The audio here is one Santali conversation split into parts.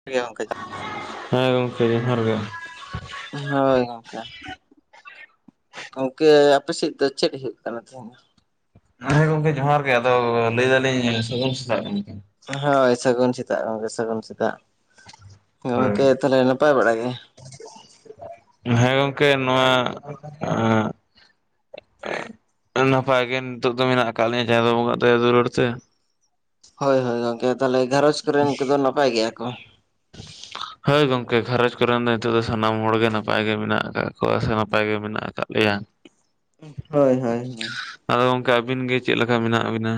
[unintelligible] ᱦᱮᱸ ᱜᱚᱝᱠᱮ ᱡᱚᱦᱟᱨ ᱜᱮ᱾ ᱦᱳᱭ ᱜᱚᱝᱠᱮ ᱾ ᱜᱚᱝᱠᱮ ᱟᱯᱮ ᱥᱮᱫ ᱫᱚ ᱪᱮᱫ ᱦᱩᱭᱩᱜ ᱠᱟᱱ ᱛᱤᱦᱤᱧ ᱫᱚ? ᱦᱮᱸ ᱜᱚᱝᱠᱮ ᱡᱚᱦᱟᱨ ᱜᱮ ᱟᱫᱚ ᱞᱟᱹᱭ ᱫᱟᱞᱤᱧ ᱥᱟᱜᱩᱱ ᱥᱟᱛᱟᱜ ᱜᱚᱝᱠᱮ ᱾ ᱦᱳᱭ ᱥᱟᱜᱩᱱ ᱥᱮᱛᱟᱜ ᱜᱚᱝᱠᱮ ᱥᱟᱜᱩᱱ ᱥᱮᱛᱟᱜ, ᱜᱚᱝᱠᱮ ᱛᱟᱞᱦᱮ ᱱᱟᱯᱟᱭ ᱵᱟᱲᱟ ᱜᱮ? ᱦᱮᱸ ᱜᱚᱝᱠᱮ ᱱᱚᱣᱟ ᱮᱸ ᱱᱟᱯᱟᱭ ᱜᱮ ᱱᱤᱛᱳᱜ ᱫᱚ ᱢᱮᱱᱟᱜ ᱟᱠᱟᱫ ᱞᱮᱭᱟ ᱪᱟᱸᱫᱳ ᱵᱚᱸᱜᱟᱣᱟᱜ ᱫᱟᱭᱟ ᱫᱩᱞᱟᱹᱲ ᱛᱮ ᱾ ᱦᱳᱭ ᱦᱳᱭ ᱜᱚᱝᱠᱮ ᱛᱟᱞᱦᱮ ᱜᱷᱟᱨᱚᱸᱡᱽ ᱠᱚᱨᱮᱱ ᱠᱚᱫᱚ ᱱᱟᱯᱟᱭ ᱜᱮᱭᱟ ᱠᱚ? [inaudible] ᱦᱳᱭ ᱜᱚᱝᱠᱮ ᱜᱷᱟᱨᱚᱸᱡᱽ ᱠᱚᱨᱮᱱ ᱫᱚ ᱱᱤᱛᱳᱜ ᱫᱚ ᱥᱟᱱᱟᱢ ᱦᱚᱲ ᱜᱮ ᱱᱟᱯᱟᱭ ᱜᱮ ᱢᱮᱱᱟᱜ ᱟᱠᱟᱫ ᱠᱚᱣᱟ, ᱥᱮ ᱱᱟᱯᱟᱭ ᱜᱮ ᱢᱮᱱᱟᱜ ᱟᱠᱟᱫ ᱞᱮᱭᱟ ᱾ [inaudible] ᱦᱳᱭ ᱦᱳᱭ ᱦᱳᱭ ᱟᱫᱚ ᱜᱚᱝᱠᱮ ᱟᱹᱵᱤᱱ ᱜᱮ ᱪᱮᱫ ᱞᱮᱠᱟ ᱢᱮᱱᱟᱜ ᱵᱤᱱᱟ?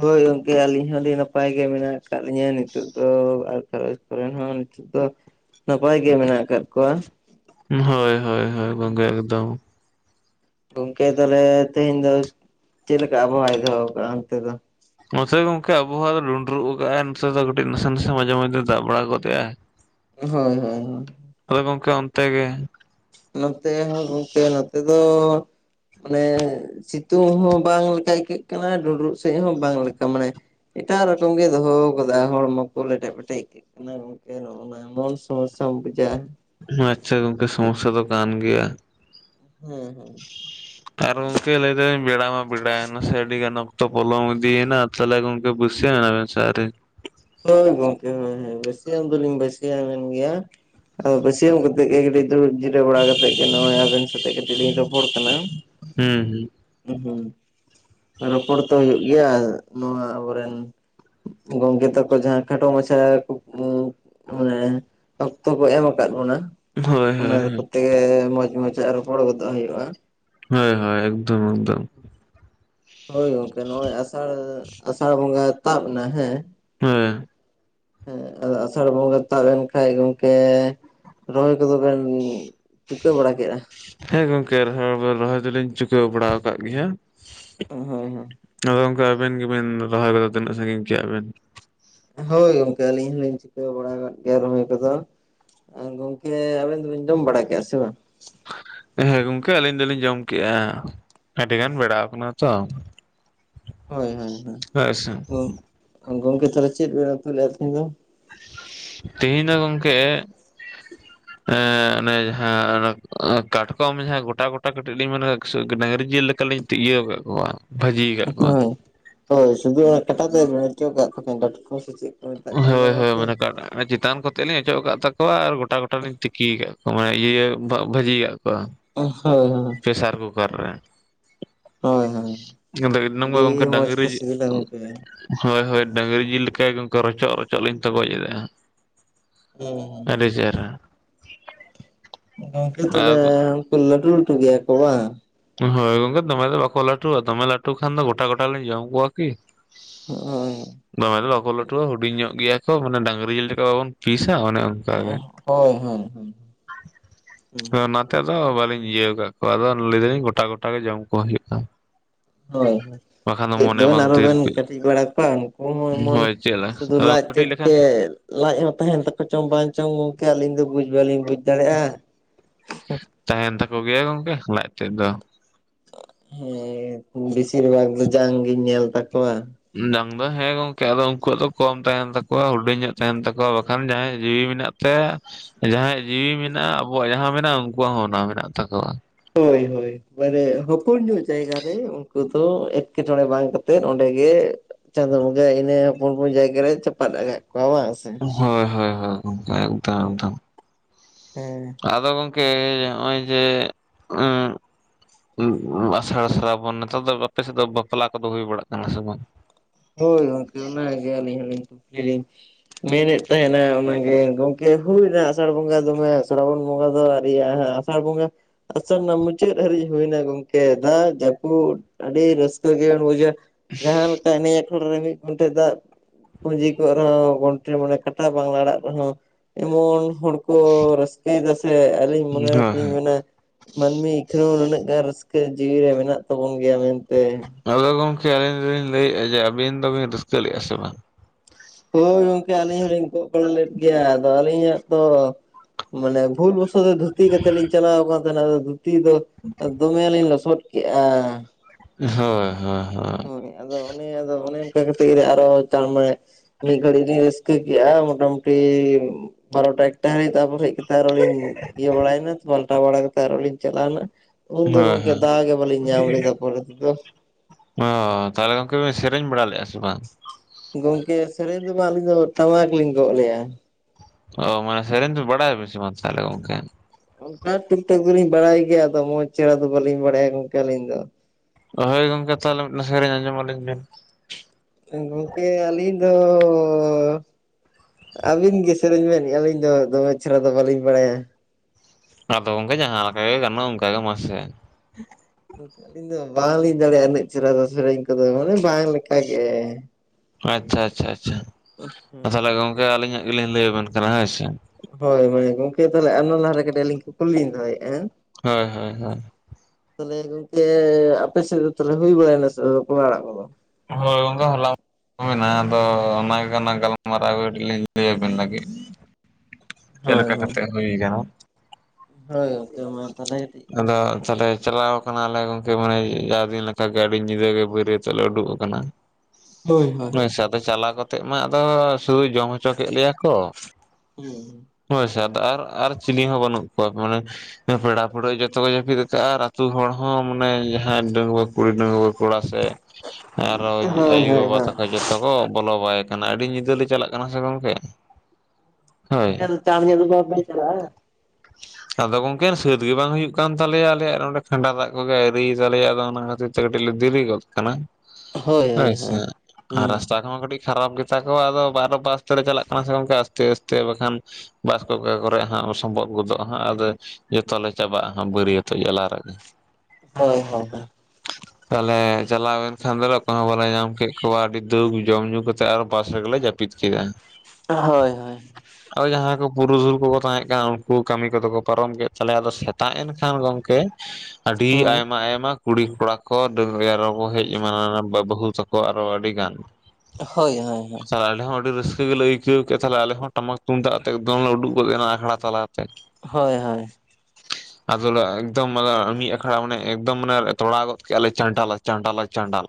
ᱦᱳᱭ ᱜᱚᱝᱠᱮ ᱟᱹᱞᱤᱧ ᱦᱚᱸ ᱞᱚᱞᱤᱧ ᱱᱟᱯᱟᱭ ᱜᱮ ᱢᱮᱱᱟᱜ ᱟᱠᱟᱫ ᱞᱤᱧᱟᱹ ᱱᱤᱛᱳᱜ ᱫᱚ ᱟᱨ ᱜᱷᱟᱨᱚᱸᱡᱽ ᱠᱚᱨᱮᱱ ᱦᱚᱸ ᱡᱷᱚᱛᱚ ᱱᱟᱯᱟᱭ ᱜᱮ ᱢᱮᱱᱟᱜ ᱟᱠᱟᱫ ᱠᱚᱣᱟ᱾ ᱦᱳᱭ ᱦᱳᱭ ᱦᱳᱭ ᱜᱚᱝᱠᱮ ᱮᱠᱫᱚᱢ᱾ ᱜᱚᱝᱠᱮ ᱛᱟᱦᱟᱞᱮ ᱛᱮᱦᱮᱧ ᱫᱚ ᱪᱮᱫ ᱞᱮᱠᱟ ᱟᱵᱚᱦᱟᱣᱟ ᱫᱚᱦᱚ ᱠᱟᱜᱟ ᱚᱱᱛᱮ ᱫᱚ? ᱱᱚᱛᱮ ᱜᱚᱝᱠᱮ ᱟᱵᱚᱦᱟᱣᱟ ᱫᱚ ᱰᱩᱱᱰᱨᱩᱜ ᱠᱟᱜᱟᱭ ᱱᱚᱛᱮ ᱫᱚ ᱠᱟᱹᱴᱤᱡ ᱱᱟᱥᱮ ᱱᱟᱥᱮ ᱢᱟᱡᱷᱮ ᱢᱚᱡᱫᱷᱮ ᱫᱟᱜ ᱵᱟᱲᱟ ᱜᱚᱫ ᱮᱜᱟᱭ᱾ [inaudible] [inaudible] ᱦᱳᱭ, ᱦᱳᱭ, ᱦᱳᱭ᱾ ᱦᱳᱭ ᱜᱚᱝᱠᱮ ᱚᱱᱛᱮ ᱜᱮ? ᱱᱚᱛᱮ ᱦᱚᱸ ᱜᱚᱝᱠᱮ ᱱᱚᱛᱮ ᱫᱚ ᱢᱟᱱᱮ ᱥᱤᱛᱩᱝ ᱦᱚᱸ ᱵᱟᱝ ᱞᱮᱠᱟ ᱟᱹᱭᱠᱟᱹᱜ ᱠᱟᱱᱟ, ᱰᱩᱸᱰᱨᱩᱜ ᱥᱮᱜ ᱦᱚᱸ ᱵᱟᱝ ᱞᱮᱠᱟ, ᱢᱟᱱᱮ ᱮᱴᱟᱜ ᱨᱚᱠᱚᱢ ᱜᱮ ᱫᱚᱦᱚ ᱠᱟᱫᱟ, ᱦᱚᱲᱢᱚ ᱠᱚ ᱞᱮᱴᱮᱜ ᱯᱮᱴᱮᱜ, ᱟᱹᱭᱠᱟᱹᱜ ᱠᱟᱱᱟ ᱜᱚᱝᱠᱮ ᱱᱚ [unintelligible] ᱚᱱ ᱮᱢᱚᱱ ᱥᱚᱢᱚᱥᱥᱟᱢ ᱵᱩᱡᱟ ᱟᱪᱪᱷᱟ ᱜᱚᱝᱠᱮ ᱥᱚᱢᱚᱥᱥᱟ ᱫᱚ ᱠᱟᱱ ᱜᱮᱭᱟ᱾ ᱦᱮᱸ ᱦᱮᱸ᱾ ᱟᱨ ᱜᱚᱝᱠᱮ ᱞᱟᱹᱭ ᱫᱟᱹᱧ ᱵᱮᱲᱟ ᱢᱟ ᱵᱮᱲᱟᱭᱮᱱᱟ, ᱥᱮ ᱟᱹᱰᱤ ᱜᱟᱱ ᱚᱠᱛᱚ ᱯᱚᱞᱚᱢ ᱤᱫᱤᱭᱮᱱᱟ, ᱛᱟᱦᱚᱞᱮ ᱜᱚᱝ ᱠᱮ ᱵᱟᱹᱥᱭᱟᱹᱢᱮᱱᱟ ᱵᱮᱱ ᱥᱮ ᱟᱹᱣᱨᱤ? ᱦᱳᱭ ᱜᱚᱝᱠᱮ ᱦᱳᱭ ᱦᱳᱭ, ᱵᱟᱹᱥᱭᱟᱹᱢ ᱫᱩᱞᱤᱧ ᱵᱟᱹᱥᱭᱟᱹᱢᱮᱱ ᱜᱮᱭᱟ᱾ ᱟᱫᱚ ᱵᱟᱹᱥᱭᱟᱹᱢ ᱠᱟᱛᱮᱜ ᱜᱮ, ᱠᱟᱹᱴᱤᱡ ᱫᱩᱲᱩᱵ ᱡᱤᱨᱟᱹᱣ ᱵᱟᱲᱟ ᱠᱟᱛᱮᱜ ᱜᱮ, ᱱᱚᱜ-ᱚᱭ ᱟᱵᱮᱱ ᱥᱟᱛᱮ ᱠᱟᱹᱴᱤᱡ ᱞᱤᱧ ᱨᱚᱯᱚᱲ ᱠᱟᱱᱟ᱾ ᱦᱩᱸ ᱦᱩᱸ᱾ ᱦᱩᱸ ᱦᱩᱸ, ᱨᱚᱯᱚᱲ ᱛᱚ ᱦᱳᱭᱳᱜ ᱜᱮᱭᱟ ᱱᱚᱣᱟ ᱟᱵᱚᱨᱮᱱ? ᱜᱚᱝᱠᱮ ᱛᱟᱠᱚ ᱡᱟᱦᱟᱸ ᱠᱷᱟᱴᱚ ᱢᱟᱪᱷᱟ ᱠᱩᱠᱢᱩ ᱢᱟᱱᱮ ᱚᱠᱛᱚ ᱠᱚ ᱮᱢ ᱟᱠᱟᱫ ᱵᱚᱱᱟ᱾ ᱦᱩᱸ ᱦᱳᱭ ᱚᱱᱟ ᱦᱳᱭ ᱦᱳᱭ ᱠᱚᱛᱮ ᱜᱮ, ᱢᱚᱸᱡᱽ ᱢᱚᱸᱡᱽᱟᱜ ᱨᱚᱯᱚᱲ ᱜᱚᱫᱚᱜ ᱦᱳᱭᱳᱜᱼᱟ᱾ ᱦᱳᱭ ᱦᱳᱭ ᱮᱠᱫᱚᱢ ᱮᱠᱫᱚᱢ᱾ ᱦᱳᱭ ᱜᱚᱝᱠᱮ ᱱᱚᱜ-ᱚᱭ, ᱟᱥᱟᱲ ᱟᱥᱟᱲ ᱵᱚᱸᱜᱟ ᱛᱟᱵ ᱱᱟ ᱦᱮᱸ᱾ ᱦᱮᱸ᱾ ᱦᱮᱸ ᱟᱫᱚ ᱟᱥᱟᱲ ᱵᱚᱸᱜᱟ ᱛᱟᱵ ᱮᱱᱠᱟᱡ ᱜᱚᱝᱠᱮ, ᱨᱚᱦᱚᱭ ᱠᱚᱫᱚ ᱵᱮᱱ ᱪᱩᱠᱟᱹᱣ ᱵᱟᱲᱟ ᱠᱮᱫᱼᱟ? ᱦᱮᱸ ᱜᱚᱝᱠᱮ ᱨᱚᱦᱚᱭ ᱨᱚᱦᱚᱭ ᱫᱚᱞᱤᱧ ᱪᱩᱠᱟᱹᱣ ᱵᱟᱲᱟ ᱠᱟᱫ ᱜᱮᱭᱟ᱾ ᱦᱳᱭ ᱦᱚᱸ᱾ ᱟᱫᱚ ᱜᱚᱝᱠᱟᱮ ᱟᱵᱮᱱ ᱜᱮᱵᱮᱱ ᱨᱚᱦᱚᱭ ᱠᱚᱫᱚ, ᱛᱤᱱᱟᱹᱜ ᱥᱟᱺᱜᱤᱧ ᱠᱮ-ᱟ ᱵᱮᱱ? ᱦᱳᱭ ᱜᱚᱢᱠᱮ ᱟᱹᱞᱤᱧ ᱦᱚᱞᱤᱧ ᱪᱤᱠᱟᱹᱣ ᱵᱟᱲᱟ ᱠᱟᱫ ᱜᱮᱭᱟ ᱨᱚᱦᱚᱭ ᱠᱚᱫᱚ᱾ ᱟᱨ ᱜᱚᱝᱠᱮ ᱟᱵᱮᱱ ᱫᱚᱵᱮᱱ, ᱡᱚᱢ ᱵᱟᱲᱟ ᱠᱮᱜᱼᱟ ᱥᱮ ᱵᱟᱝ? ᱦᱮᱸ ᱜᱚᱝᱠᱮ ᱟᱹᱞᱤᱧ ᱫᱚᱞᱤᱧ ᱡᱚᱢ ᱠᱮᱫᱼᱟ, ᱟᱹᱰᱤ ᱜᱟᱱ ᱵᱮᱲᱟᱣ ᱠᱟᱱᱟ ᱛᱚ᱾ ᱦᱳᱭ ᱥᱮ ᱦᱳᱭ-ᱦᱳᱭ-ᱦᱳᱭ, ᱜᱚᱢᱠᱮ ᱛᱟᱦᱚᱞᱮ ᱪᱮᱫ ᱵᱮᱱ ᱩᱛᱩ ᱞᱮᱫᱼᱟ ᱛᱮᱦᱮᱧ ᱫᱚ? ᱛᱮᱦᱮᱧ ᱫᱚ ᱜᱚᱝᱠᱮ? ᱚᱱᱮ ᱡᱟᱦᱟᱸ ᱠᱟᱴᱠᱚᱢ ᱡᱟᱦᱟᱸ, ᱜᱚᱴᱟ ᱜᱚᱴᱟ ᱠᱟᱹᱴᱤᱡ ᱞᱤᱧ ᱢᱟᱱᱮ ᱰᱟᱝᱨᱤ ᱡᱤᱞ ᱞᱮᱠᱟᱞᱤᱧ ᱤᱭᱟᱹᱳ ᱠᱟᱫ ᱠᱚᱣᱟ᱾ ᱵᱷᱟᱹᱡᱤ ᱟᱠᱟᱫ ᱠᱚᱣᱟ ᱦᱳᱭ-ᱦᱳᱭ ᱥᱩᱫᱷᱩ ᱚᱱᱟ ᱠᱟᱴᱟ ᱛᱮᱜ ᱵᱮᱱ, ᱚᱪᱚᱜ ᱠᱟᱜ ᱛᱟᱠᱚᱣᱟ ᱠᱟᱴᱠᱚᱢ ᱥᱮ ᱪᱮᱫ? ᱠᱚ ᱢᱮᱛᱟᱜ ᱠᱟᱱ ᱫᱚ ᱦᱳᱭ ᱦᱳᱭ ᱜᱚᱝᱠᱮ ᱢᱟᱱᱮ ᱠᱟᱜ ᱪᱮᱛᱟᱱ ᱠᱚᱛᱮᱫ ᱞᱤᱧ ᱚᱪᱚᱜ ᱟᱠᱟᱫ ᱛᱟᱠᱚᱣᱟ, ᱟᱨ ᱜᱚᱴᱟ ᱜᱚᱴᱟ ᱞᱤᱧ ᱛᱤᱠᱤ ᱠᱟᱫ ᱠᱚᱣᱟ᱾ ᱠᱚ ᱢᱟᱱᱮ ᱤᱭᱟᱹ ᱵᱷᱟᱹᱡᱤ ᱠᱟᱫ ᱠᱚᱣᱟ᱾ ᱦᱳᱭ ᱦᱳᱭ [unintelligible] ᱯᱮᱥᱟᱨ ᱠᱩᱠᱟᱨ ᱨᱮ᱾ ᱦᱳᱭ ᱦᱳᱭ [unintelligible] ᱟᱹᱰᱤ ᱢᱚᱸᱡᱽ ᱠᱚ ᱰᱟᱝᱨᱤ ᱥᱤᱵᱤᱞᱟ ᱜᱚᱝᱠᱮ [unintelligible] ᱦᱳᱭ ᱦᱳᱭ ᱰᱟᱹᱝᱨᱤ ᱡᱤᱞ ᱞᱮᱠᱟ ᱜᱮ, ᱚᱝᱠᱟ ᱨᱚᱪᱚᱜ ᱨᱚᱪᱚᱜ ᱞᱤᱧ ᱛᱚᱜᱚᱡ ᱮᱫᱟ᱾ ᱦᱩᱸ ᱦᱩᱸ᱾ ᱟᱹᱰᱤ ᱪᱮᱦᱨᱟ᱾ ᱜᱚᱢᱠᱮ ᱟᱨ ᱛᱟᱦᱚᱞᱮ ᱦᱟᱱᱠᱩ ᱞᱟᱹᱴᱩ ᱞᱟᱹᱴᱩ ᱜᱮᱭᱟ ᱠᱚ ᱵᱟᱝ? ᱦᱳᱭ ᱜᱚᱝᱠᱮ ᱫᱚᱢᱮ ᱫᱚ ᱵᱟᱠᱚ ᱞᱟᱹᱴᱩᱼᱟ, ᱫᱚᱢᱮ ᱞᱟᱹᱴᱩ ᱠᱷᱟᱱ ᱫᱚ ᱜᱚᱴᱟ ᱜᱚᱴᱟ ᱞᱮᱧ ᱡᱚᱢ ᱠᱚᱣᱟ ᱠᱤ᱾ ᱦᱜ ᱚᱭ᱾ ᱫᱚᱢᱮ ᱫᱚ ᱵᱟᱠᱚ ᱞᱟᱹᱴᱩᱣᱟ ᱦᱩᱰᱤᱧ ᱧᱚᱜ ᱜᱮᱭᱟ ᱠᱚ ᱢᱟᱱᱮ ᱰᱟᱝᱨᱤ ᱡᱤᱞ ᱞᱮᱠᱟᱠᱟ ᱵᱟᱵᱚᱱ ᱯᱤᱥᱟ ᱚᱱᱮ ᱜᱮ ᱚ ᱦᱳᱭ ᱦᱳᱭ ᱦᱳᱭ ᱟᱫᱚ ᱚᱱᱟᱛᱮ ᱟᱫᱚ ᱵᱟᱹᱞᱤᱧ ᱤᱭᱟᱹ ᱟᱠᱟᱫ ᱠᱚᱣᱟ ᱟᱫᱚ ᱞᱟᱹᱭ ᱫᱟᱞᱤᱧ ᱜᱚᱴᱟ ᱜᱚᱴᱟ ᱜᱮ ᱡᱚᱢ ᱠᱚ ᱦᱩᱭᱩᱜᱼᱟ᱾ ᱦᱳᱭ ᱦᱳ ᱵᱟᱠᱷᱟᱱ ᱫᱚ ᱪᱮᱫ ᱢᱚᱱᱮ ᱫᱚᱵᱮᱱ ᱵᱟᱝ ᱟᱨ ᱵᱮᱱ ᱛᱤᱨᱯᱤᱫ ᱠᱟᱹᱴᱤᱡ ᱵᱟᱲᱟ ᱠᱚᱣᱟ ᱩᱱᱠᱩ ᱦᱚᱸ ᱮᱢᱚᱱ ᱦᱳᱭ ᱪᱮᱫ ᱞᱮ ᱥᱩᱫᱩ ᱟᱫᱚ ᱞᱟᱡ ᱠᱟᱹᱴᱤᱡ ᱛᱮᱫ ᱞᱮᱠᱷᱟᱱ ᱛᱮ ᱞᱟᱡ ᱦᱚᱸ ᱛᱟᱦᱮᱱ ᱛᱟᱠᱚ ᱪᱚᱝ ᱵᱟᱝ ᱪᱚᱝ ᱜᱚᱢᱠᱮ ᱟᱹᱞᱤᱧ ᱫᱚ ᱵᱩᱡᱽ ᱵᱟᱹᱞᱤᱧ ᱵᱩᱡᱽ ᱫᱟᱲᱮᱭᱟᱜᱼᱟ᱾ ᱛᱟᱦᱮᱱ ᱛᱟᱠᱚ ᱜᱮᱭᱟ ᱜᱚᱝᱠᱮ ᱞᱟᱡ ᱛᱮᱫ ᱫᱚ᱾ ᱦᱮᱸ ᱵᱮᱥᱤᱨ ᱵᱷᱟᱜᱽ ᱫᱚ ᱡᱟᱝ ᱜᱤᱧ ᱧᱮᱞ ᱛᱟᱠᱚᱣᱟ᱾ ᱡᱟᱝ ᱫᱚ ᱦᱮᱸ ᱜᱚᱝᱠᱮ ᱟᱫᱚ ᱩᱱᱠᱩᱣᱟᱜ ᱫᱚ ᱠᱚᱢ ᱛᱟᱦᱮᱱ ᱛᱟᱠᱚᱣᱟ ᱦᱩᱰᱤᱧ ᱧᱚᱜ ᱛᱟᱦᱮᱱ ᱛᱟᱠᱚᱣᱟ ᱵᱟᱠᱷᱟᱱ ᱡᱟᱦᱟᱸᱭ ᱡᱤᱣᱤ ᱢᱮᱱᱟᱜ ᱛᱮ ᱡᱟᱦᱟᱸᱭᱟᱜ ᱡᱤᱣᱤ ᱢᱮᱱᱟᱜᱼᱟ ᱟᱵᱚᱣᱟᱜ ᱡᱟᱦᱟᱸ ᱢᱮᱱᱟᱜᱼᱟ ᱩᱱᱠᱩᱣᱟᱜ ᱦᱚᱸ ᱚᱱᱟ ᱢᱮᱱᱟᱜ ᱛᱟᱠᱚᱣᱟ᱾ ᱦᱳᱭ ᱦᱳᱭ ᱢᱟᱱᱮ ᱦᱚᱯᱚᱱ ᱧᱚᱜ ᱡᱟᱭᱜᱟ ᱨᱮ ᱩᱱᱠᱩ ᱫᱚ ᱮᱸᱴᱠᱮᱴᱚᱬᱮ ᱵᱟᱝ ᱠᱟᱛᱮᱜ ᱚᱸᱰᱮ ᱜᱮ ᱪᱟᱸᱫᱚ ᱵᱚᱸᱜᱟ ᱤᱱᱟᱹ ᱦᱚᱯᱚᱱ ᱦᱚᱯᱚᱱ ᱡᱟᱭᱜᱟ ᱨᱮ ᱪᱟᱯᱟᱫ ᱟᱠᱟᱫ ᱠᱚᱣᱟ ᱵᱟᱝ ᱟᱥᱮ᱾ ᱦᱳᱭ ᱦᱳᱭ ᱦᱳᱭ ᱜᱚᱢᱠᱮ ᱮᱠᱫᱚᱢ ᱮᱠᱫᱚᱢ ᱦᱮᱸ ᱟᱫᱚ ᱜᱚᱝᱠᱮ ᱱᱚᱜᱼᱚᱭ ᱡᱮ ᱩ ᱩᱸ ᱟᱥᱟᱲ ᱥᱟᱨᱟᱵᱚᱱ ᱱᱮᱛᱟᱨ ᱫᱚ ᱟᱯᱮ ᱥᱮᱫ ᱫᱚ ᱵᱟᱯᱞᱟ ᱠᱚᱫᱚ ᱦᱩᱭ ᱵᱟᱲᱟᱜ ᱠᱟᱱᱟ ᱥᱮ ᱵᱟᱝ? ᱦᱳᱭ ᱜᱚᱝᱠᱮ ᱚᱱᱟᱜᱮ ᱟᱹᱞᱤᱧ ᱦᱚᱸᱞᱤᱧ [unintelligible] ᱞᱤᱧ ᱢᱮᱱᱮᱫ ᱛᱟᱦᱮᱱᱟ ᱚᱱᱟᱜᱮ ᱜᱚᱝᱠᱮ ᱦᱩᱭᱱᱟ ᱟᱥᱟᱲ ᱵᱚᱸᱜᱟ ᱫᱚᱢᱮ ᱥᱚᱨᱟᱵᱚᱱ ᱵᱚᱸᱜᱟ ᱫᱚ ᱟᱹᱣᱨᱤᱭᱟᱜ-ᱟ ᱦᱟᱸᱜ᱾ ᱟᱥᱟᱲ ᱵᱚᱸᱜᱟ ᱟᱥᱟᱲ ᱨᱮᱱᱟᱜ ᱢᱩᱪᱟᱹᱫ ᱦᱟᱹᱨᱤᱡ ᱦᱩᱭᱱᱟ ᱜᱚᱝᱠᱮ ᱫᱟᱜ ᱡᱟᱹᱯᱩᱫ ᱟᱹᱰᱤ ᱨᱟᱹᱥᱠᱟᱹ ᱜᱮ ᱵᱩᱡᱟ ᱡᱟᱦᱟᱸ ᱞᱮᱠᱟ ᱮᱱᱮᱡ ᱟᱠᱷᱲᱟ ᱨᱮ ᱢᱤᱫ [unintelligible] ᱫᱟᱜ ᱯᱩᱸᱡᱤ ᱠᱚᱜ ᱨᱮᱦᱚᱸ ᱜᱚᱱᱴᱷᱮ ᱢᱟᱱᱮ ᱠᱟᱴᱟ ᱵᱟᱝ ᱞᱟᱲᱟᱜ ᱨᱮᱦᱚᱸ ᱮᱢᱚᱱ ᱦᱚᱲ ᱠᱚ ᱨᱟᱹᱥᱠᱟᱹᱭᱮᱫᱟ ᱥᱮ ᱟᱹᱞᱤᱧ ᱢᱚᱱᱮ ᱦᱳᱭ ᱛᱮᱞᱤᱧ ᱦᱳᱭ ᱢᱮᱱᱟ᱾ ᱢᱟᱹᱱᱢᱤ ᱮᱠᱷᱱᱳ ᱱᱩᱱᱟᱹᱜ ᱜᱟᱱ ᱨᱟᱹᱥᱠᱟᱹ ᱡᱤᱣᱤ ᱨᱮ ᱢᱮᱱᱟᱜ ᱛᱟᱵᱚᱱ ᱜᱮᱭᱟ ᱢᱮᱱᱛᱮ᱾ ᱟᱫᱚ ᱜᱚᱢᱠᱮ ᱟᱹᱞᱤᱧ ᱫᱚᱞᱤᱧ ᱞᱟᱹᱭᱮᱫᱼᱟ ᱡᱮ ᱟᱹᱵᱤᱱ ᱫᱚᱵᱤᱱ ᱨᱟᱹᱥᱠᱟᱹ ᱞᱮᱫᱼᱟ ᱥᱮ ᱵᱟᱝ? ᱦᱳᱭ ᱜᱚᱝᱠᱮ ᱟᱹᱞᱤᱧ ᱦᱚᱸᱞᱤᱧ [unintelligible] ᱞᱮᱫ ᱜᱮᱭᱟ ᱟᱫᱚ ᱟᱹᱞᱤᱧᱟᱜ ᱛᱚ ᱢᱟᱱᱮ ᱵᱷᱩᱞ ᱫᱷᱩᱛᱤ ᱠᱟᱛᱮᱫ ᱞᱤᱧ ᱪᱟᱞᱟᱣ ᱟᱠᱟᱱ ᱛᱟᱦᱮᱱᱟ ᱟᱫᱚ ᱫᱷᱩᱛᱤ ᱫᱚ ᱫᱚᱢᱮ ᱞᱤᱧ ᱞᱚᱥᱚᱫ ᱠᱮᱫᱮᱜᱼᱟ᱾ ᱦᱳᱭ ᱦᱳᱭ ᱦᱳᱭ ᱟᱫᱚ ᱚᱱᱮ ᱟᱫᱚ ᱚᱱᱮ ᱚᱱᱠᱟᱛᱮᱜᱮ ᱟᱨᱚ ᱪᱟᱬᱢᱟᱬᱮ ᱢᱤᱫ ᱜᱷᱟᱲᱤᱡ ᱞᱤᱧ ᱨᱟᱹᱥᱠᱟᱹ ᱠᱮᱜᱼᱟ ᱢᱚᱴᱟ ᱢᱩᱴᱤ ᱵᱟᱨᱚᱴᱟ ᱮᱠᱴᱟ ᱦᱟᱨᱤᱡ ᱛᱟᱯᱚᱨᱮ ᱦᱮᱡ ᱛᱟᱨᱚ ᱞᱤᱧ ᱤᱭᱟᱹ ᱵᱟᱲᱟᱭᱮᱱᱟ ᱯᱟᱞᱴᱟᱣ ᱵᱟᱲᱟ ᱠᱟᱛᱮ ᱟᱨᱚ ᱞᱤᱧ ᱪᱟᱞᱟᱣᱮᱱᱟ᱾ ᱩᱱ ᱫᱚ ᱦᱳᱭ ᱜᱚᱢᱠᱮ ᱦᱳᱭ ᱫᱟᱣ ᱜᱮ ᱵᱟᱹᱞᱤᱧ ᱧᱟᱢ ᱞᱮᱫᱟ ᱯᱚᱨᱮ ᱛᱮᱫᱚ᱾ ᱚᱻ ᱛᱟᱦᱚᱞᱮ ᱜᱚᱢᱠᱮ ᱥᱮᱨᱮᱧ ᱵᱟᱲᱟ ᱞᱮᱫᱼᱟ ᱥᱮ ᱵᱟᱝ? ᱜᱚᱝᱠᱮ ᱥᱮᱨᱮᱧ ᱫᱚ ᱵᱟ ᱟᱹᱞᱤᱧ ᱫᱚ ᱴᱟᱢᱟᱠ ᱞᱤᱧ ᱜᱚᱜ ᱞᱮᱜ-ᱟ᱾ ᱚ ᱢᱟᱱᱮ ᱥᱮᱨᱮᱧ ᱫᱚ ᱵᱟᱰᱟᱭ ᱟᱵᱤᱱ ᱥᱮ ᱵᱟᱝ ᱛᱟᱦᱞᱮ ᱜᱚᱢᱠᱮ? ᱚᱱᱠᱟ ᱴᱩᱠ ᱴᱟᱠ ᱫᱚᱞᱤᱧ ᱵᱟᱲᱟᱭ ᱜᱮᱭᱟ ᱟᱫᱚ ᱢᱚᱡᱽ ᱪᱮᱦᱨᱟ ᱫᱚ ᱵᱟᱹᱞᱤᱧ ᱵᱟᱲᱟᱭᱟ ᱜᱚᱢᱠᱮ ᱟᱹᱞᱤᱧ ᱫᱚ᱾ ᱦᱳᱭ ᱜᱚᱢᱠᱮ ᱛᱟᱦᱚᱞᱮ ᱢᱤᱫᱴᱮᱱ ᱥᱮᱨᱮᱧ ᱟᱸᱡᱚᱢᱟᱞᱤᱧ ᱵᱮᱱ᱾ ᱜᱚᱝᱠᱮ ᱟᱹᱞᱤᱧ ᱫᱚᱻ ᱟᱹᱵᱤᱱ ᱜᱮ ᱥᱮᱨᱮᱧ ᱵᱮᱱ ᱟᱹᱞᱤᱧ ᱫᱚ ᱫᱚᱢᱮ ᱪᱮᱦᱨᱟ ᱫᱚ ᱵᱟᱹᱞᱤᱧ ᱵᱟᱲᱟᱭᱟ᱾ ᱟᱫᱚ ᱜᱚᱢᱠᱮ ᱡᱟᱦᱟᱸ ᱞᱮᱠᱟ ᱜᱮ ᱜᱟᱱᱚᱜ-ᱟ ᱚᱱᱠᱟᱜᱮ ᱢᱟᱥᱮ᱾ ᱟᱹᱞᱤᱧ ᱫᱚ ᱵᱟᱝᱞᱤᱧ ᱫᱟᱲᱮᱭᱟᱜᱼᱟ ᱩᱱᱟᱹ ᱪᱮᱦᱨᱟ ᱫᱚ ᱥᱮᱨᱮᱧ ᱠᱚᱫᱚ ᱢᱟᱱᱮ ᱵᱟᱝ ᱞᱮᱠᱟᱜᱮ᱾ ᱟᱪᱪᱷᱟ ᱟᱪᱪᱷᱟ ᱟᱪᱪᱷᱟ ᱛᱟᱦᱚᱞᱮ ᱜᱚᱝᱠᱮ ᱟᱹᱞᱤᱧᱟᱜ ᱜᱮᱞᱤᱧ ᱞᱟᱹᱭ ᱟᱵᱮᱱ ᱠᱟᱱᱟ ᱦᱮᱸ ᱥᱮ᱾ ᱦᱳᱭ ᱢᱟᱱᱮ ᱜᱚᱢᱠᱮ ᱛᱟᱦᱞᱮ ᱚᱱᱟ ᱞᱟᱦᱟᱨᱮ ᱠᱟᱹᱴᱤᱡ ᱞᱤᱧ ᱠᱩᱠᱞᱤᱧ ᱫᱚᱦᱚᱭᱮᱫᱼᱟ᱾ ᱦᱳᱭ ᱦᱳᱭ ᱦᱳᱭ ᱛᱟᱦᱞᱮ ᱜᱚᱝᱠᱮ ᱟᱯᱮ ᱥᱮᱫ ᱫᱚ ᱛᱟᱦᱚᱞᱮ ᱦᱩᱭ ᱵᱟᱲᱟᱭᱱᱟ ᱥᱮ ᱵᱟᱯᱞᱟ ᱟᱲᱟᱜ ᱠᱚᱫᱚ? ᱦᱳᱭ ᱜᱚᱢᱠᱮ ᱦᱚᱞᱟ ᱾ [inaudible] ᱟᱫᱚ ᱚᱱᱟᱱᱟᱜ ᱜᱟᱞᱢᱟᱨᱟᱣ ᱠᱟ. ᱴᱤᱡᱞᱤᱧ ᱞᱟᱹᱭ ᱟᱹᱵᱤᱱ ᱞᱟᱹᱜᱤᱫ᱾ ᱪᱮᱫ ᱦᱳᱭ ᱞᱮᱠᱟ ᱦᱳᱭ ᱠᱟᱛᱮᱫ ᱦᱩᱭ ᱠᱟᱱᱟ᱾ ᱦᱳᱭ ᱜᱚᱢᱠᱮ ᱢᱟ ᱛᱟ ᱦᱚᱞᱮ ᱠᱟᱴᱤᱡ ᱟᱫᱚ ᱛᱟᱦᱚᱞᱮ ᱪᱟᱞᱟᱣ ᱠᱟᱱᱟᱞᱮ ᱜᱚᱝᱠᱮ ᱢᱟᱱᱮ ᱟᱵᱤᱱ ᱞᱮᱠᱟ ᱜᱮ ᱟᱹᱰᱤ ᱧᱤᱫᱟᱹᱜᱮ ᱵᱟᱹᱨᱭᱟᱹᱛᱚᱜ ᱞᱮ ᱩᱰᱩᱠ ᱟᱠᱟᱱᱟ᱾ ᱦᱟᱱᱟᱜ ᱦᱳᱭ ᱦᱳᱭ ᱱᱩᱭ ᱥᱟᱣ ᱪᱟᱞᱟᱣ ᱠᱟᱛᱮ ᱢᱟ ᱟᱫᱚ᱾ ᱥᱩᱭ ᱡᱚᱢ ᱦᱚᱪᱚ ᱠᱮᱫ ᱞᱮᱭᱟ ᱠᱚ ᱦᱩᱸ ᱦᱳᱭ ᱥᱮ ᱥᱟᱛ ᱟᱨ ᱟᱨ ᱪᱤᱞᱤ ᱦᱚᱸ ᱵᱟᱹᱱᱩᱜ ᱠᱚᱣᱟ ᱢᱟᱱᱮ᱾ ᱯᱮᱲᱟ ᱯᱟᱹᱲᱦᱟᱹᱜ ᱡᱚᱛᱚ ᱠᱚ ᱡᱟᱹᱯᱤᱫ ᱟᱠᱟᱫᱼᱟ ᱟᱨ ᱟᱹᱛᱩᱳ ᱦᱚᱲ ᱦᱚᱸ ᱢᱟᱱᱮ ᱡᱟᱦᱟᱸᱭ ᱰᱟᱺᱜᱩᱣᱟᱹ ᱠᱩᱲᱤ ᱰᱟᱺᱜᱩᱣᱟᱹ ᱠᱚᱲᱟ᱾ ᱛᱮ ᱟᱨ ᱦᱚᱸ ᱦᱳᱭ ᱟᱭᱩ ᱦᱳᱭ ᱦᱳᱭ ᱵᱟᱵᱟ ᱛᱠᱚ ᱡᱮ ᱛᱚᱜᱚ ᱵᱚᱞᱚ ᱵᱟᱭᱮ ᱠᱟᱱᱟ ᱟᱹᱰᱤ ᱧᱤᱫᱟᱹ ᱞᱮ ᱪᱟᱞᱟᱜ ᱠᱟᱱᱟ ᱥᱮ ᱜᱚᱢᱠᱮ ᱛᱮᱦᱮᱧ ᱫᱚ ᱛᱟᱲ ᱧᱮᱞ ᱵᱟᱵᱩᱱ ᱪᱟᱞᱟᱜ-ᱟ᱾ [unintelligible] ᱟᱫᱚ ᱜᱚᱝᱠᱮ ᱥᱟᱹᱛ ᱜᱮ ᱵᱟᱝ ᱦᱩᱭᱩᱜ ᱠᱟᱱ ᱛᱟᱞᱮᱭᱟ ᱟᱞᱮᱭᱟᱜ ᱱᱚᱰᱮ ᱠᱷᱟᱸᱰᱟ ᱫᱟᱜ ᱠᱚᱜᱮ ᱟᱹᱨᱤᱭ ᱛᱟᱞᱮ ᱟᱫᱚ ᱚᱱᱟ ᱠᱷᱟᱹᱛᱤᱨᱼᱼ ᱠᱟᱹᱴᱤᱡ ᱞᱮ ᱫᱮᱨᱤ ᱜᱚᱫ ᱠᱟᱱᱟ ᱦᱳᱭ ᱦᱳᱭ ᱦᱥᱮ ᱦᱳᱭ ᱟᱨ ᱦᱩᱸ ᱨᱟᱥᱛᱟ [unintelligible] ᱱᱚᱣᱟ ᱠᱟᱹᱴᱤᱡ ᱠᱷᱟᱨᱟᱯ ᱜᱮᱛᱟ ᱠᱚᱣᱟ ᱟᱫᱚ ᱟᱨᱦᱚᱸ ᱵᱟᱥ ᱛᱮᱞᱮ ᱪᱟᱞᱟᱜ ᱠᱟᱱᱟ ᱥᱮ ᱜᱚᱝᱠᱮ ᱟᱥᱛᱮ ᱟᱥᱛᱮ ᱟᱨ ᱵᱟᱠᱷᱟᱱᱼᱼ ᱵᱟᱥ ᱠᱚ ᱚᱠᱟ ᱠᱚᱨᱮ ᱦᱟᱸᱜ ᱥᱚᱵᱚᱫ ᱜᱚᱫᱚᱜᱼᱟ ᱦᱟᱸᱜ ᱟᱫᱚ᱾ ᱡᱚᱛᱚᱞ ᱞᱮ ᱪᱟᱵᱟᱜᱼᱟ ᱵᱟᱹᱨᱭᱟᱹᱛᱚᱜ ᱡᱟᱞᱟ ᱨᱮᱭ᱾ ᱦᱳᱭ ᱦᱳᱭ [unintelligible] ᱛᱟᱦᱞᱮ ᱪᱟᱞᱟᱜ ᱵᱮᱱ [inaudible] ᱟᱠᱚᱭ ᱦᱚᱸ ᱵᱟᱞᱮ ᱧᱟᱢ ᱠᱮᱫ ᱠᱚᱣᱟ ᱟᱹᱰᱤ ᱫᱩᱠ ᱡᱚᱢ ᱧᱩᱩ ᱠᱟᱛᱮᱫ ᱟᱨ ᱦᱚᱸ ᱯᱟᱥ ᱨᱮᱜᱮᱞᱮ ᱡᱟᱹᱯᱤᱫ ᱠᱮᱫᱟ᱾ ᱦᱳᱭ ᱦᱳᱭ [unintelligible] ᱦᱚᱭ ᱡᱟᱦᱟᱸᱭ ᱠᱚ ᱵᱩᱨᱩ ᱥᱩᱨ ᱠᱚᱠᱚ ᱛᱟᱦᱮᱸ ᱠᱟᱱ ᱩᱱᱠᱩ ᱠᱟᱹᱢᱤ ᱠᱚᱫᱚ ᱠᱚ ᱯᱟᱨᱚᱢ ᱠᱮᱫ ᱛᱟᱞᱮᱭᱟ ᱟᱫᱚ ᱛᱟᱜ ᱮᱱ ᱠᱷᱟᱱ ᱜᱚᱝᱠᱮ ᱟᱹᱰᱤ ᱦᱩᱸ ᱟᱭᱢᱟ ᱟᱭᱢᱟ ᱠᱩᱲᱤ ᱠᱚᱲᱟ ᱠᱚ ᱫᱟᱲ ᱨᱮ ᱨᱚᱦᱮ ᱦᱮᱡ ᱮᱢᱟᱱ ᱮᱢᱟᱱ ᱵᱟᱵᱩ ᱵᱟᱦᱩ ᱛᱟᱠᱚ ᱟᱨ ᱦᱚᱸ ᱟᱹᱰᱤ ᱜᱟᱱ ᱦᱳᱭ ᱦᱳᱭ ᱦᱳᱭ ᱟᱨ ᱛᱟᱦᱚᱞᱮ ᱟᱞᱮᱚᱸ ᱟᱹᱰᱤ ᱨᱟᱹᱥᱠᱟᱹ ᱜᱮᱞᱮ ᱟᱹᱭᱠᱟᱹᱣ ᱠᱮᱫᱼᱟ ᱛᱟᱦᱞᱮ ᱟᱞᱮ ᱦᱚᱸ ᱴᱟᱢᱟᱠ ᱛᱩᱢᱫᱟᱜ ᱛᱮ ᱮᱠᱫᱚᱢ ᱞᱮ ᱩᱰᱠ ᱜᱚᱫ ᱮᱱᱟ ᱟᱠᱷᱲᱟ ᱛᱟᱞᱟᱛᱮ᱾ ᱦᱳᱭ ᱦᱳᱭ ᱦ [inaudible] ᱟᱫᱚᱞᱮ ᱮᱠᱫᱚᱢ ᱢᱤᱫ ᱟᱠᱷᱲᱟ ᱢᱟᱱᱮ ᱮᱠᱫᱚᱢ ᱢᱟᱱᱮ ᱛᱚᱲᱟ ᱜᱚᱫ ᱠᱮᱫᱮᱜᱼᱟ ᱞᱮ ᱪᱟᱰᱟᱞ ᱪᱟᱰᱟᱞ ᱪᱟᱸᱰᱟᱞ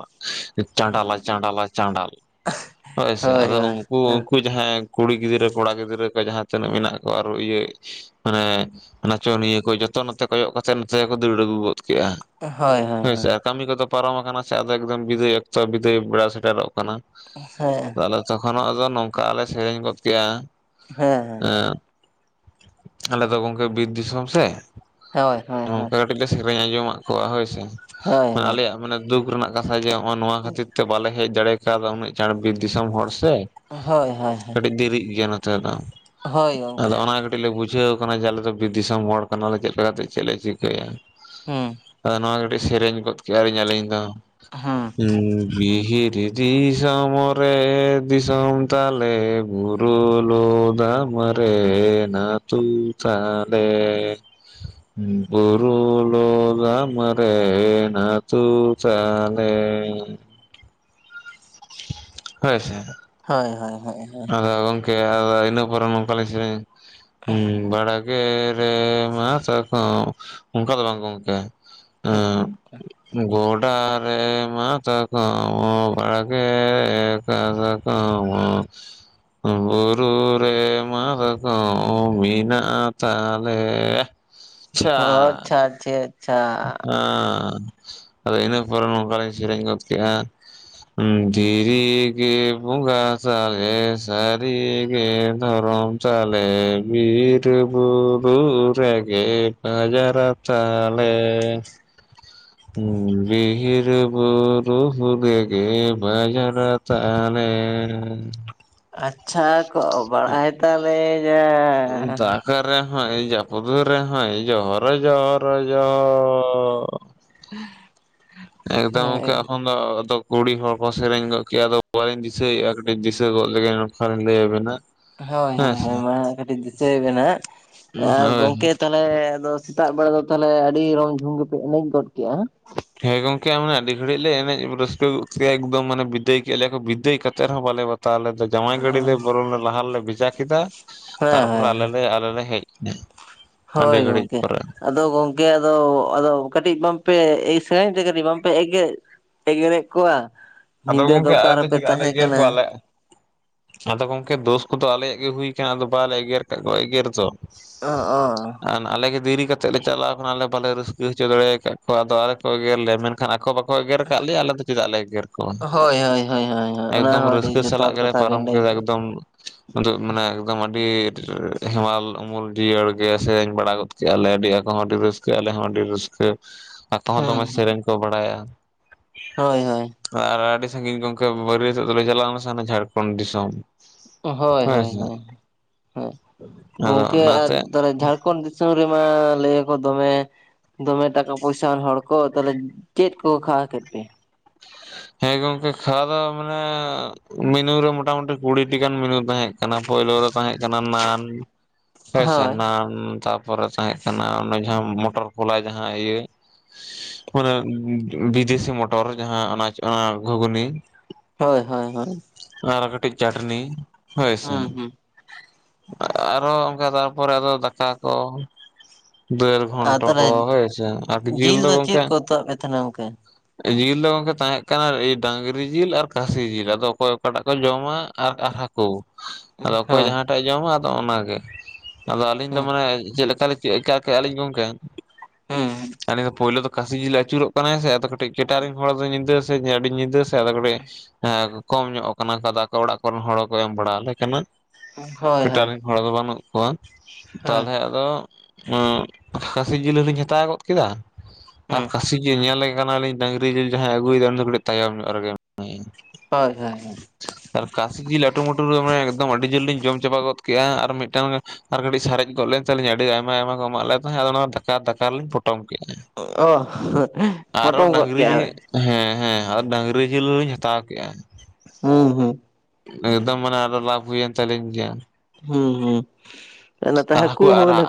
ᱪᱟᱸᱰᱟᱞ ᱪᱟᱸᱰᱟᱞ ᱪᱟᱸᱰᱟᱞᱟ ᱦᱳᱭ ᱥᱮ ᱟᱫᱚ ᱩᱱᱠᱩᱼᱼ ᱡᱟᱦᱟᱸᱭ ᱠᱩᱲᱤ ᱜᱤᱫᱽᱨᱟᱹ ᱠᱚᱲᱟ ᱜᱤᱫᱽᱨᱟᱹ ᱠᱚ ᱡᱟᱦᱟᱸ ᱛᱤᱱᱟᱹᱜ ᱢᱮᱱᱟᱜ ᱠᱚᱣᱟ ᱟᱨᱚ ᱤᱭᱟᱹ ᱢᱟᱱᱮ ᱱᱟᱪᱚᱱᱤᱭᱟᱹ ᱠᱚ ᱡᱚᱛᱚ ᱱᱚᱛᱮ ᱠᱚᱭᱚᱜ ᱠᱟᱛᱮᱜ ᱱᱚᱛᱮᱠᱚ ᱫᱟᱹᱲ ᱟᱹᱜᱩ ᱜᱚᱫ ᱠᱮᱫᱮᱜᱼᱟ᱾ ᱦᱳᱭ ᱦᱳᱭ ᱦᱳᱭᱥᱮ ᱦᱳᱭ ᱠᱟᱹᱢᱤ ᱠᱚᱫᱚ ᱯᱟᱨᱚᱢ ᱟᱠᱟᱱᱟ ᱥᱮ ᱟᱫᱚ ᱮᱠᱫᱚᱢ ᱵᱤᱫᱟᱹᱭ ᱚᱠᱛᱚ ᱵᱤᱫᱟᱹᱭ ᱵᱮᱲᱟ ᱥᱮᱴᱮᱨᱚᱜ ᱠᱟᱱᱟ᱾ ᱦᱮᱸ ᱟᱦᱞᱮ ᱡᱚᱠᱷᱚᱱᱟᱜ ᱫᱚ ᱱᱚᱝᱠᱟᱞ ᱞᱮ ᱥᱮᱨᱮᱧ ᱜᱚᱫ ᱠᱮᱫᱼᱟ ᱦᱮᱸ ᱦᱮᱸ ᱮ ᱟᱞᱮ ᱫᱚ ᱜᱚᱝᱠᱮ ᱵᱤᱨ ᱫᱤᱥᱚᱢ ᱥᱮ ᱦᱳᱭ ᱦᱳᱭ ᱦᱳᱭ [inaudible] ᱥᱮᱨᱮᱧ ᱟᱸᱡᱚᱢᱫ ᱠᱚᱣᱟ ᱦᱳᱭᱥᱮ ᱦᱳᱭ ᱦᱳᱭ ᱟᱞᱮᱭᱟᱜ ᱢᱟᱱᱮ ᱫᱩᱠ ᱨᱮᱱᱟᱜ ᱠᱟᱛᱷᱟ ᱜᱮ ᱦᱚᱸ ᱱᱚᱣᱟ ᱠᱷᱟᱹᱛᱤᱨ ᱛᱮ ᱵᱟᱞᱮ ᱦᱮᱡ ᱫᱟᱲᱮ ᱟᱠᱟᱣᱫᱟ ᱩᱱᱟᱹᱜ ᱪᱟᱬᱮ ᱵᱤᱨ ᱫᱤᱥᱚᱢ ᱦᱚᱲ ᱪᱮ ᱦᱳᱭ ᱦᱳᱭ ᱦᱳᱭ ᱫᱮᱨᱤᱜ ᱜᱮᱭᱟ ᱱᱚᱛᱮ ᱫᱚ ᱦᱳᱭ ᱜᱚᱝᱠᱮ ᱟᱫᱚ ᱚᱱᱟ ᱠᱟᱹᱴᱤ ᱠᱟᱹᱴᱤᱡ ᱞᱮ ᱵᱩᱡᱷᱟᱹᱣ ᱠᱟᱱᱟ ᱡᱮ ᱟᱞᱮ ᱫᱚ ᱵᱤᱨ ᱫᱤᱥᱚᱢ ᱦᱚᱲ ᱠᱟᱱᱟᱞᱮ ᱪᱮᱫ ᱞᱮᱠᱟᱛᱮ ᱪᱮᱫ ᱞᱮ ᱪᱤᱠᱟᱹᱭᱟ᱾ ᱦᱩᱸ ᱱᱚᱣᱟ ᱠᱟᱹᱴᱤᱡ ᱥᱮᱨᱮᱧ ᱜᱚᱫ ᱠᱮᱭᱟᱼᱟ ᱞᱤᱧ ᱟᱹᱞᱤᱧ ᱫᱚ ᱦᱩᱸ ᱦᱩᱢ ᱦᱤᱦᱤᱨᱤ ᱡᱤᱣᱤ ᱡᱷᱚᱢᱚᱨ ᱨᱮ ᱫᱤᱥᱚᱢ ᱛᱟᱞᱮ ᱵᱩᱨᱩ ᱞᱚᱫᱟᱢ ᱨᱮ ᱱᱟᱹᱛᱩ ᱛᱟᱞᱮᱻ ᱩᱸ ᱵᱩᱨᱩ ᱞᱚᱫᱟᱢ ᱨᱮ ᱱᱟᱹᱛᱩ ᱛᱟᱻᱞᱮᱻ ᱞᱮᱻ ᱦᱳᱭ ᱥᱮ᱾ ᱦᱳᱭ ᱦᱳᱭ ᱦᱳᱭ ᱦᱳᱭ᱾ ᱠᱮᱭᱟ ᱟᱫᱚ ᱤᱱᱟᱹ ᱯᱚᱨᱮ ᱱᱚᱝᱠᱟᱹ ᱞᱤᱧ ᱥᱮᱨᱮᱧ ᱦᱩᱸᱻ ᱵᱟᱲᱟ ᱜᱮ ᱨᱮ ᱢᱟᱥᱠᱚᱢ, ᱚᱝᱠᱟ ᱫᱚ ᱵᱟᱝ ᱜᱚᱝᱠᱮ᱾ ᱮᱸᱜ ᱜᱚᱰᱟ ᱨᱮ ᱢᱟᱛᱠᱚᱢ ᱵᱟᱲᱜᱮ ᱨᱮ ᱠᱟᱥᱠᱚᱢ ᱵᱩᱨᱩ ᱨᱮ ᱢᱟᱛᱠᱚᱢ ᱢᱮᱱᱟᱜ ᱛᱟᱞᱮᱻ᱾ ᱦᱚ, ᱟᱪᱪᱷᱟ ᱪᱷᱟ᱾ ᱦᱟᱸᱻ, ᱟᱫᱚ ᱤᱱᱟᱹ ᱯᱚᱨᱮ ᱱᱚᱝᱠᱟᱞᱤᱧ ᱥᱮᱨᱮᱧ ᱜᱚᱫ ᱠᱮᱜ-ᱟ᱾ ᱫᱷᱤᱨᱤ ᱜᱮ ᱵᱚᱸᱜᱟ ᱥᱟᱞᱮ ᱥᱟᱹᱨᱤᱜᱮ ᱫᱷᱚᱨᱚᱢ ᱛᱟᱞᱮ, ᱵᱤᱨ ᱵᱩᱨᱩ ᱨᱮᱜᱮ ᱵᱟᱡᱟᱨ ᱛᱟ ᱞᱮᱻ ᱩᱸ, ᱵᱤᱦᱤᱨ ᱵᱩᱨᱩᱻᱦᱩ ᱨᱮᱜᱮ ᱵᱟᱡᱟᱨ ᱛᱟᱦᱞᱮᱻ᱾ ᱟᱪᱪᱷᱟ ᱠᱚ ᱵᱟᱲᱟᱭ ᱛᱟᱞᱮᱭᱟ᱾ ᱦᱩᱸ-ᱩᱱᱴᱟᱜ᱾ ᱫᱟᱜᱽ ᱨᱮᱦᱚᱸᱭ ᱡᱟᱹᱯᱩᱫ ᱨᱮᱦᱚᱸᱭ ᱡᱚᱦᱚᱨ ᱡᱚᱦᱚᱨ ᱡᱚᱦᱚᱻ᱾ [unintelligible] ᱮᱠᱫᱚᱢ ᱦᱮᱸ ᱜᱚᱝᱠᱮ ᱮᱠᱷᱚᱱ ᱫᱚ ᱟᱫᱚ ᱠᱩᱲᱤ ᱦᱚᱲ ᱠᱚ ᱥᱮᱨᱮᱧ ᱜᱚᱫ ᱠᱮᱜ-ᱟ ᱟᱫᱚ ᱵᱟᱹᱧ ᱫᱤᱥᱟᱹᱭᱮᱜ-ᱟ ᱠᱟᱹᱴᱤᱡ ᱫᱤᱥᱟᱹ ᱜᱚᱫ ᱞᱮᱜᱮ ᱱᱚᱝᱠᱟ ᱞᱤᱧ ᱞᱟᱹᱭᱟᱵᱮᱱᱟ᱾ ᱦᱳᱭ ᱦᱳᱭ ᱦᱳᱭ ᱦᱳᱭ ᱦᱳᱭ ᱢᱟ ᱠᱟᱹᱴᱤᱡ ᱫᱤᱥᱟᱹᱭ ᱵᱮᱱ ᱦᱟᱸᱜ ᱟᱨ ᱦᱳᱭ ᱜᱚᱝᱠᱮ ᱛᱟᱞ ᱛᱟᱦᱞᱮ ᱟᱫᱚ ᱥᱮᱛᱟᱜ ᱵᱮᱲᱟ ᱫᱚ ᱛᱟᱦᱞᱮ ᱟᱹᱰᱤ ᱨᱚᱢ ᱡᱷᱚᱢ ᱜᱮᱯᱮ ᱮᱱᱮᱡ ᱜᱚᱫ ᱠᱮᱜ-ᱟ? ᱦᱮᱸ ᱜᱚᱝᱠᱮ ᱢᱟᱱᱮ ᱟᱹᱰᱤ ᱜᱷᱟᱹᱲᱤᱡ ᱞᱮ ᱮᱱᱮᱡ ᱨᱟᱹᱥᱠᱟᱹ ᱜᱚᱜ ᱠᱮᱭᱟ ᱮᱠᱫᱚᱢ ᱢᱟᱱᱮ ᱵᱤᱫᱟᱹᱭ ᱠᱮᱫᱮᱜ ᱞᱮᱭᱟ ᱠᱚ ᱵᱤᱫᱟᱹᱭ ᱠᱟᱛᱮ ᱨᱮᱦᱚᱸ ᱵᱟᱞᱮ ᱵᱟ ᱛᱟᱣ ᱞᱮᱫᱟ, ᱡᱟᱶᱟᱭ ᱜᱟᱹᱲᱤ ᱞᱮ ᱵᱚᱨᱚᱝ ᱞᱮ ᱞᱟᱦᱟ ᱨᱮᱞᱮ ᱵᱷᱮᱡᱟ ᱠᱮᱫᱟ ᱦᱮᱸ ᱛᱟᱨᱯᱚᱨ ᱦᱮᱸ ᱟᱞᱮ ᱞᱮ, ᱟᱞᱮ ᱞᱮ ᱦᱮᱡ ᱦᱩᱸ᱾ ᱦᱳᱭ ᱜᱚᱝᱠᱮ᱾ ᱟᱫᱚ ᱜᱚᱝᱠᱮ ᱟᱫᱚ ᱟᱫᱚ ᱠᱟᱹᱴᱤᱡ ᱵᱟᱝᱯᱮ ᱮᱭ ᱥᱮᱨᱮᱧ ᱛᱮ ᱠᱟᱹᱴᱤᱡ ᱵᱟᱝᱯᱮ ᱮᱜᱮᱨ ᱮᱜᱮᱨᱮᱜ ᱠᱚᱣᱟ? ᱟᱫᱚ ᱧᱤᱫᱟᱹ ᱫᱚ ᱜᱚᱝᱠᱮ ᱚᱠᱟ ᱟᱞᱮ ᱨᱮᱯᱮ ᱡᱩᱫᱤ ᱟᱞᱮ ᱛᱟᱦᱮᱸ ᱮᱜᱮᱨ ᱠᱟᱱᱟ ᱠᱚᱣᱟᱞᱮ ᱟᱫᱚ ᱜᱚᱝᱠᱮ ᱫᱳᱥ ᱠᱚᱫᱚ ᱟᱞᱮᱭᱟᱜ ᱜᱮ ᱦᱩᱭ ᱠᱟᱱᱟ ᱟᱫᱚ ᱵᱟᱞᱮ ᱮᱜᱮᱨ ᱠᱟᱫ ᱠᱚᱣᱟ ᱮᱜᱮᱨ ᱫᱚ᱾ ᱚ, ᱚ᱾ ᱟᱨ ᱟᱞᱮᱜᱮ ᱫᱮᱨᱤ ᱠᱟᱛᱮᱫ ᱞᱮ ᱪᱟᱞᱟᱣ ᱠᱟᱱᱟ ᱟᱞᱮ ᱵᱟᱞᱮ ᱨᱟᱹᱥᱠᱟᱹ ᱦᱚᱪᱚ ᱫᱟᱲᱮᱭ ᱠᱟᱫ ᱠᱚᱣᱟ ᱟᱫᱚ ᱟᱞᱮ ᱠᱚ ᱮᱜᱮᱨ ᱞᱮᱭᱟ᱾ ᱢᱮᱱ ᱠᱷᱟᱱ ᱟᱠᱚ ᱵᱟᱠᱚ ᱮᱜᱮᱨ ᱟᱠᱟᱫ ᱞᱮᱭᱟ ᱟᱞᱮ ᱫᱚ ᱪᱮᱫᱟᱜ ᱞᱮ ᱮᱜᱮᱨ ᱠᱚᱣᱟ? ᱦᱳᱭ ᱦᱳᱭ ᱦᱳᱭ ᱦᱳᱭ ᱚᱱᱟ ᱮᱠᱫᱚᱢ ᱦᱚᱸ ᱟᱹᱰᱤ ᱨᱟᱹᱥᱠᱟᱹ ᱥᱟᱞᱟᱜ ᱡᱚᱛᱷᱟᱛ ᱜᱮᱞᱮ ᱠᱟᱛᱷᱟ ᱯᱟᱨᱚᱢ ᱵᱮᱱ ᱞᱟᱹᱭ ᱠᱮᱫᱟ ᱠᱟᱜᱼᱟ ᱮᱠᱫᱚᱢ᱾ ᱫᱚᱢ ᱢᱟᱱᱮ ᱮᱠᱫᱚᱢ ᱟᱹᱰᱤ ᱦᱮᱢᱟᱞ ᱩᱢᱩᱞ ᱡᱤᱭᱟᱹᱲ ᱜᱮ ᱥᱮᱨᱮᱧ ᱵᱟᱲᱟ ᱜᱚᱫ ᱪᱮᱫ-ᱟᱞᱮ ᱟᱹᱰᱤ ᱟᱠᱚ ᱦᱚᱸ ᱟᱹᱰᱤ ᱨᱟᱹᱥᱠᱟᱹ ᱟᱞᱮ ᱦᱚᱸ ᱟᱹᱰᱤ ᱨᱟᱹᱥᱠᱟᱹ ᱟᱠᱚ ᱦᱚᱸ ᱦᱩᱸ ᱫᱚᱢᱮ ᱦᱩᱸ ᱥᱮᱨᱮᱧ ᱠᱚ ᱵᱟᱲᱟᱭᱟ᱾ ᱦᱳᱭ ᱦᱳᱭ᱾ ᱟᱨ ᱟᱹᱰᱤ ᱥᱟᱺᱜᱤᱧ ᱜᱚᱝᱠᱮ ᱵᱟᱹᱨᱭᱟᱹᱛᱚᱜ ᱫᱚᱞᱮ ᱪᱟᱞᱟᱣ ᱞᱮᱱᱟ ᱥᱮ ᱦᱟᱱᱟ ᱡᱷᱟᱲᱠᱷᱚᱱ ᱫᱤᱥᱚᱢ᱾ ᱦᱳᱭ ᱦᱳᱭ ᱦᱳᱭ ᱦᱳᱭ, ᱟᱫᱚ ᱜᱚᱝᱠᱮ ᱟᱨ ᱚᱱᱟᱛᱮ ᱛᱟᱦᱞᱮ ᱡᱷᱟᱲ ᱠᱚᱱ ᱫᱤᱥᱚᱢ ᱨᱮᱢᱟ ᱞᱟᱹᱭ ᱟᱠᱚ ᱫᱚᱢᱮ ᱫᱚᱢᱮ ᱴᱟᱠᱟ ᱯᱚᱭᱥᱟᱟᱱ ᱦᱚᱲ ᱠᱚ ᱛᱟᱦᱞᱮ ᱪᱮᱫ ᱠᱚ ᱠᱷᱟᱣᱟᱣ ᱠᱮᱫ ᱯᱮ? ᱦᱮᱸ ᱜᱚᱢᱠᱮ, ᱠᱷᱟᱣᱟᱣ ᱫᱚ ᱢᱟᱱᱮ ᱢᱤᱱᱩᱨᱮ ᱢᱚᱴᱟᱢᱩᱴᱤ ᱠᱩᱲᱤᱴᱤ ᱜᱟᱱ ᱢᱤᱱᱩ ᱛᱟᱦᱮᱸᱜ ᱠᱟᱱᱟ ᱯᱳᱭᱞᱳ ᱨᱮ ᱛᱟᱦᱮᱸ ᱠᱟᱱᱟ ᱱᱟᱱ ᱟᱥ-ᱥᱟ ᱦᱳᱭ ᱱᱟᱱ ᱛᱟᱨᱯᱚᱨᱮ ᱛᱟᱦᱮᱸᱜ ᱠᱟᱱᱟ ᱚᱱᱮ ᱡᱟᱦᱟᱸ ᱢᱚᱴᱚᱨ ᱠᱚᱞᱟᱭ ᱡᱟᱦᱟᱸ ᱤᱭᱟᱹ ᱥ-ᱩ-ᱜ ᱚᱱᱟ ᱩᱸᱜ-ᱩᱸᱜ ᱵᱤᱫᱮᱹᱥᱤ ᱢᱚᱴᱚᱨ ᱡᱟᱦᱟᱸ ᱚᱱᱟ ᱚᱱᱟ ᱜᱷᱩᱜᱩᱱᱤ ᱦᱳᱭ -ᱦᱚᱭ -ᱦᱚᱭ, ᱦᱚᱜ ᱟᱨ ᱠᱟᱹᱴᱤᱡ ᱪᱟᱴᱱᱤ ᱦᱚᱭ ᱥᱮ ᱦᱩᱸ ᱦᱩᱸ ᱦ-ᱮ-ᱜ, ᱟᱨᱚ ᱚᱝᱠᱟ ᱛᱟᱨᱯᱚᱨᱮ ᱟᱫᱚ ᱫᱟᱠᱟ ᱠᱚ ᱫᱟᱹᱲ ᱟᱨ ᱜᱚᱱᱴᱟ ᱠᱚ ᱛᱟᱦᱚᱞᱮ ᱦᱳᱭ ᱥᱮ ᱟᱨᱰᱤ ᱡᱮᱹᱞ ᱡᱤᱞ ᱫᱚ ᱪᱮᱫ ᱜᱚᱝᱠᱮ ᱠᱚ ᱩᱛᱩᱣᱟᱜ ᱯᱮ ᱛᱟᱦᱮᱱᱟ ᱜᱚᱝᱠᱮ ᱡᱤᱞ ᱫᱚ ᱜᱚᱝᱠᱮᱛ ᱛᱟᱦᱮᱸ ᱠᱟᱱᱟ ᱰᱟᱹᱟᱝᱨᱤ ᱡᱤᱞ ᱟᱨ ᱠᱟᱥᱤ ᱡᱤᱞ ᱟᱫᱚ ᱚᱠᱚᱭ ᱚᱠᱟᱴᱟᱜ ᱠᱚ ᱡᱚᱢᱟ ᱟᱨ ᱦᱟᱠ ᱠᱳ, ᱦᱳᱭ ᱟᱫᱚ ᱚᱠᱚᱭ ᱦᱮᱸ ᱡᱟᱦᱟᱸᱴᱟᱜ ᱮ ᱡᱚᱢᱟ ᱟᱫᱚ ᱚᱱᱟᱜᱮ ᱟᱫᱚ ᱟᱞᱤᱧ ᱫᱚ ᱦᱮᱸ ᱢᱟᱱᱮ ᱪᱮᱜ ᱞᱮᱠᱟᱞᱤᱧ ᱪᱮᱜ ᱠᱟ ᱠᱮᱜ ᱟᱞᱤᱧ ᱜᱚᱝᱠᱮ ᱪ-ᱚ-ᱯ, ᱪ-ᱟ-ᱯ ᱟᱞᱤᱧ ᱫᱚ ᱯᱳᱭᱞᱳ ᱫᱚ ᱠᱟᱥᱤ ᱡᱤᱞᱮ ᱟᱹᱪᱩᱨᱚᱜ ᱠᱟᱱᱟᱭ ᱥᱮ ᱟᱫᱚ ᱠᱟᱹᱴᱤᱡ ᱠᱮᱴᱟᱨᱤᱝᱜ ᱦᱚᱲ ᱫᱚ ᱧᱤᱫᱟᱹ ᱥᱮ ᱟᱹᱰᱤ ᱧᱤᱫᱟᱹ ᱥᱮ ᱟᱫᱚ ᱠᱟᱹᱴᱤᱡ ᱮᱸ ᱠᱚᱢ ᱧᱚᱜ ᱟᱠᱟᱱᱟ ᱠᱚ ᱟᱫᱟ ᱟᱠᱚ ᱚᱲᱟᱜ ᱠᱚᱨᱮᱱ ᱦᱚᱲ ᱦᱚᱸᱠᱚ ᱮᱢ ᱵᱟᱲᱟᱞᱮ ᱠᱟᱱᱟ ᱩᱸᱦ, ᱦᱚᱭ- ᱦᱚᱭ ᱾ ᱠᱮᱴᱟᱨᱤᱝ ᱦᱚᱲ ᱫᱚ ᱵᱟᱹᱱᱩᱜ ᱠᱚᱣᱟ ᱛᱟᱞᱦᱮ ᱟᱫᱚ ᱚᱸᱜ ᱠᱷᱟᱥᱤ ᱡᱮᱹᱞ ᱦᱚᱸᱞᱤᱧ ᱦᱟᱛᱟᱣ ᱜᱚᱫ ᱠᱮᱫᱟᱜ ᱟᱨ ᱦᱮᱸ ᱠᱷᱟᱥᱤ ᱡᱮᱹ ᱧᱮᱞᱮ ᱠᱟᱱᱟᱞᱤᱧ ᱰᱟᱝᱨᱤ ᱡᱮᱹᱞ ᱡᱟᱦᱟᱸᱭ ᱟᱹᱩ ᱟᱹᱜᱩᱭᱮᱫᱟ ᱩᱱᱤ ᱫᱚ ᱠᱟᱴᱤᱡ ᱛᱟᱭᱚᱢ ᱧᱚᱜ ᱨᱮᱜᱮ ᱢᱮᱱᱟᱭᱟ ᱾ ᱦᱚᱭᱼᱦᱚᱭᱼᱦᱚᱭ ᱾ ᱟᱨ ᱠᱷᱟᱥᱤ ᱡᱮᱹᱞ ᱟᱹᱴᱩ ᱢᱟᱹᱴᱩᱨᱮ ᱢᱟᱱᱮ ᱮᱠᱫᱚᱢ ᱟᱹᱰᱤ ᱡᱳᱨᱞᱤᱧ ᱡᱚᱢ ᱪᱟᱵᱟ ᱜᱚᱫ ᱠᱮᱜᱼᱟ ᱟᱨ ᱢᱤᱫᱴᱟᱝ ᱟᱨ ᱠᱟᱹᱴᱤᱡ ᱥᱟᱨᱮᱡ ᱜᱚᱫ ᱞᱮᱱ ᱛᱟᱹᱞᱤᱧᱟ ᱟᱹᱰᱤ ᱟᱭᱢᱟ ᱟᱭᱢᱟ ᱠᱚ ᱮᱢᱟᱜ ᱞᱮ ᱛᱟᱦᱮᱸ ᱟᱫᱚ ᱚᱱᱟ ᱛᱷᱟᱠᱟᱼᱛᱷᱟᱠᱟ ᱨᱮᱞᱤᱧ ᱯᱚᱴᱚᱢ ᱠᱮᱜᱼᱟ ᱾ ᱚᱦ-ᱷᱦ-ᱥᱮᱸ-ᱜ ᱯᱚᱴᱚᱢ ᱜᱚᱫ ᱠᱮᱜ ᱟ -ᱼ ᱦᱮᱸ-ᱦᱮᱸ, ᱟᱨ ᱰᱟᱹᱝᱨᱤ ᱡᱮᱹᱞ ᱦᱚᱧ ᱦᱟᱛᱟᱣ ᱠᱮᱜᱼᱟ ᱾ ᱦᱩᱹ- ᱦᱩᱹ᱾ ᱮᱠᱫᱚᱢ ᱢᱟᱱᱮ ᱟᱨ ᱞᱟᱵᱷ ᱦᱩᱭᱮᱱ ᱛᱟᱹᱞᱤᱧ ᱜᱮᱭᱟ ᱦᱩᱸ -ᱦᱩᱸ, ᱛᱟᱦᱞᱮ ᱛᱚ ᱟᱨ ᱦᱟᱠᱩ ᱦᱟᱹᱠᱩ ᱟᱨ ᱦᱚᱸ ᱞᱮᱯ